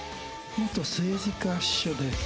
元政治家秘書で。